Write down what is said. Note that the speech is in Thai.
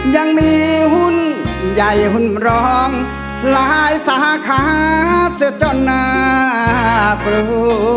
ยังมีหุ้นใหญ่หุ้นรองหลายสาขาเสียจนน่ากลัว